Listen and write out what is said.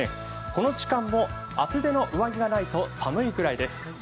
この時間も厚手の上着がないと寒いくらいです。